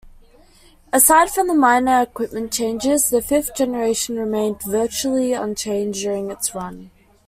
Aside from minor equipment changes, the fifth generation remained virtually unchanged during its run.